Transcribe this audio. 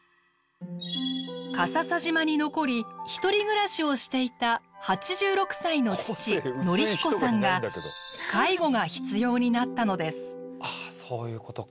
笠佐島に残り１人暮らしをしていた８６歳の父徳彦さんが介護が必要になったのです。